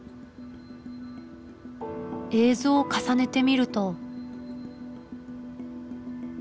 映像を重ねてみると。